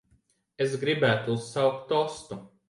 Es gribētu uzsaukt tostu.